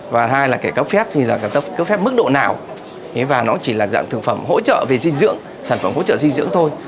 và hai là kể cấp phép thì là ta cấp phép mức độ nào và nó chỉ là dạng thực phẩm hỗ trợ về dinh dưỡng sản phẩm hỗ trợ dinh dưỡng thôi